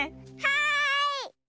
はい！